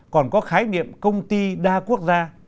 còn có khái niệm công ty đa quốc gia